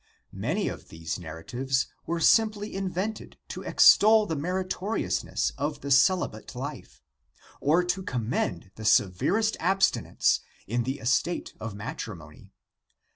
Many of these narratives were simply invented to extol the meritoriousness of the celibate life, or to commend the severest abstinence in the estate of matrimony.